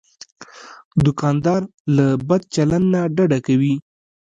دوکاندار له بد چلند نه ډډه کوي.